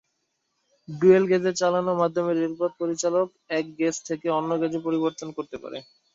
Dual গেজে চালানো মাধ্যমে রেলপথ পরিচালক এক গেজ থেকে অন্য গেজে পরিবর্তন করতে পারে।